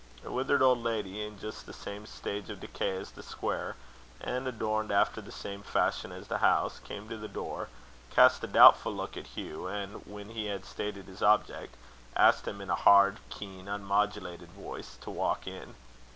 A withered old lady, in just the same stage of decay as the square, and adorned after the same fashion as the house, came to the door, cast a doubtful look at Hugh, and when he had stated his object, asked him, in a hard, keen, unmodulated voice, to walk in.